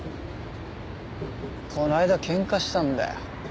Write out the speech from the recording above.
この間喧嘩したんだよ。